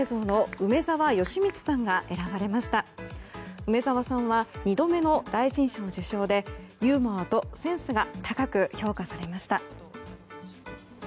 梅澤さんは２度目の大臣賞受賞でユーモアとセンスが高く評価されました。